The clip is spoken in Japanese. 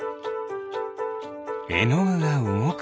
えのぐがうごく。